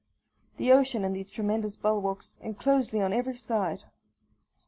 The ocean and these tremendous bulwarks enclosed me on every side.